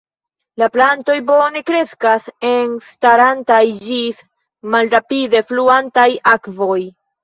La plantoj bone kreskas en starantaj ĝis malrapide fluantaj akvoj.